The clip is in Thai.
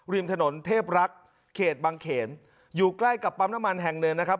ริมถนนเทพรักษ์เขตบางเขนอยู่ใกล้กับปั๊มน้ำมันแห่งหนึ่งนะครับ